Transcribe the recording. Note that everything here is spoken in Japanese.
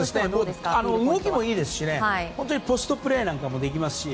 動きもいいですしポストプレーもできるので。